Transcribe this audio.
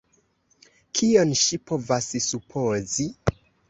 Kion ŝi povas supozi?